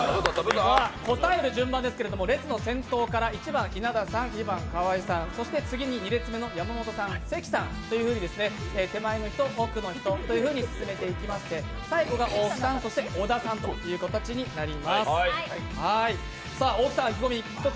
答える順番ですけれども、列の先頭から１番、稲田さん２番、河井さんそして次の山本さん、関さんというふうに手前の人、奥の人と進めていきまして最後が大木さん、小田さんという形になります。